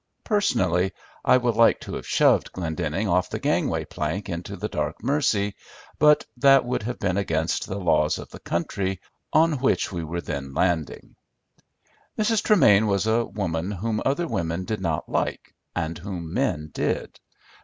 Personally I would like to have shoved Glendenning off the gangway plank into the dark Mersey; but that would have been against the laws of the country on which we were then landing. Mrs. Tremain was a woman whom other women did not like, and whom men did.